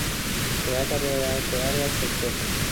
Se halla rodeada de áreas boscosas.